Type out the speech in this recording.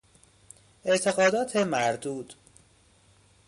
اعتقادات مردود